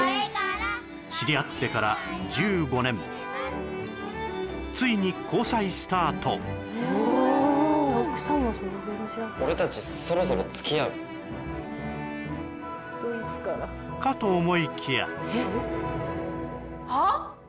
知り合ってから１５年ついに俺たちそろそろ付き合う？かと思いきやはあ？